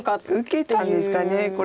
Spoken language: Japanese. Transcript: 受けたんですかこれは。